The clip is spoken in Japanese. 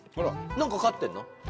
何か飼ってんの？